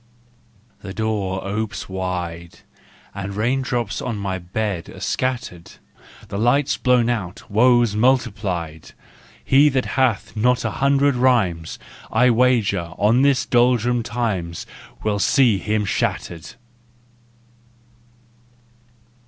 The door opes wide, And raindrops on my bed are scattered, The light's blown out—woes multiplied ! He that hath not an hundred rhymes, I'll wager, in these dolorous times We'd see him shattered